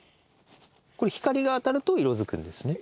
これ光が当たると色づくんですね？